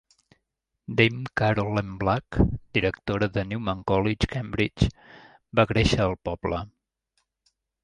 Dame Carol M. Black, directora de Newnham College, Cambridge, va créixer al poble.